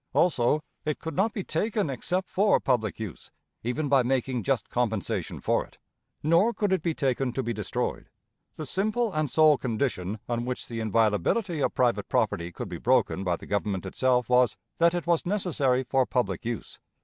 Also, it could not be taken except for public use, even by making just compensation for it; nor could it be taken to be destroyed. The simple and sole condition on which the inviolability of private property could be broken by the Government itself was, that it was necessary for public use.